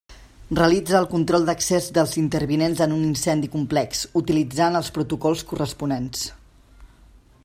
Realitza el control d'accés dels intervinents en un incendi complex, utilitzant els protocols corresponents.